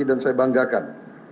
dan saya banggakan